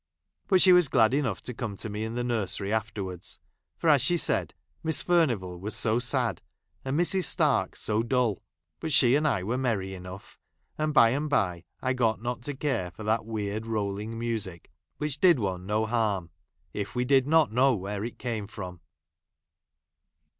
But she Avas glad enough to come to me in the nursery 1 1 afterwai'ds ; for, as she said. Miss Furnivall 1 was ■so sad, and Mrs. Stark so dull ; but she j and I were merry enough ; and, by and by, ! I got not to care for that weird rolling music, ' which did one no harm, if we did not know where it came from.